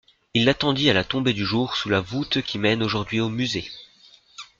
Il l'attendit à la tombée du jour sous la voûte qui mène aujourd'hui au Musée.